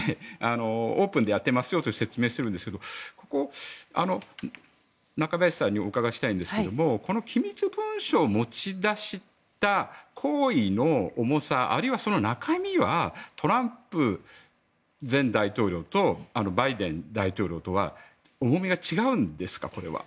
オープンでやってますよと説明しているんですけども中林さんにお伺いしたいんですけれども機密文書を持ち出した行為の重さあるいは中身はトランプ前大統領とバイデン大統領とは重みが違うんですか？